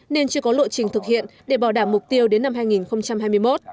nên chưa có lộ trình thực hiện để bảo đảm mục tiêu đến năm hai nghìn hai mươi một